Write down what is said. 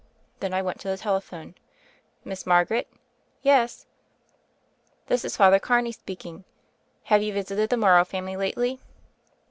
Then I went to the telephone. "Miss Margaret?" "Yes." "This is Father Carney speaking. Have you visited the Morrow family lately?"